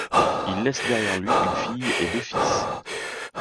Il laisse derrière lui une fille et deux fils.